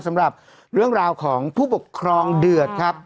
สำหรับเรื่องราวของผู้ปกครองเดือดครับ